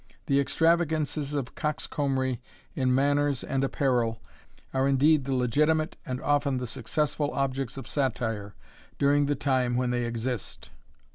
The extravagances of coxcombry in manners and apparel are indeed the legitimate and often the successful objects of satire, during the time when they exist.